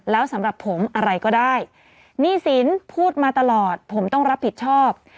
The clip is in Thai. แล้วสำหรับผมอะไรก็ได้หนี้สินพูดมาตลอดผมต้องรับผิดชอบ